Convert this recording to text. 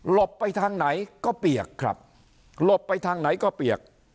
ไปทางไหนก็เปียกครับหลบไปทางไหนก็เปียก